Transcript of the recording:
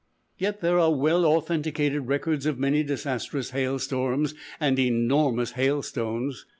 Yet, there are well authenticated records of many disastrous hail storms and enormous hailstones.